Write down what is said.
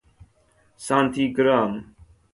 سانتیگرام